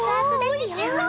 おおおいしそう！